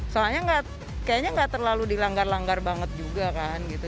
soalnya kayaknya nggak terlalu dilanggar langgar banget juga kan gitu